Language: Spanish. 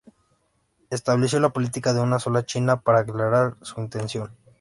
Estableció la política de Una sola China para aclarar su intención.